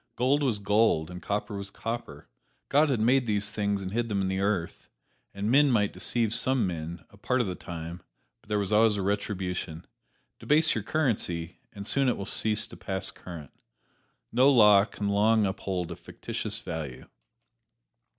Gold was gold, and copper was copper God had made these things and hid them in the earth and men might deceive some men a part of the time but there was always a retribution. Debase your currency, and soon it will cease to pass current. No law can long uphold a fictitious value.